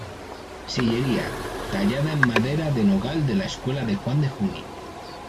Sillería: tallada en madera de nogal de la escuela de Juan de Juni.